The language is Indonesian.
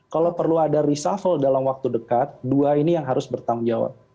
kalau perlu ada reshuffle dalam waktu dekat dua ini yang harus bertanggung jawab